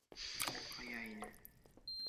Ҡая ине!